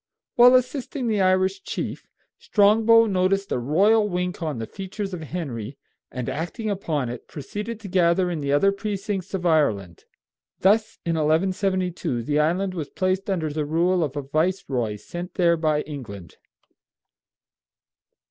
While assisting the Irish chief, Strongbow noticed a royal wink on the features of Henry, and acting upon it proceeded to gather in the other precincts of Ireland. Thus, in 1172, the island was placed under the rule of a viceroy sent there by England.